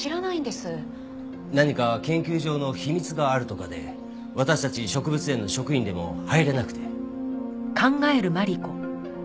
何か研究上の秘密があるとかで私たち植物園の職員でも入れなくて。